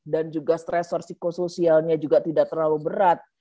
dan juga stressor psikosoialnya juga tidak terlalu berat